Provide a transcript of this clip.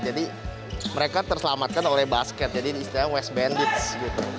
jadi mereka terselamatkan oleh basket jadi istilahnya west bandits gitu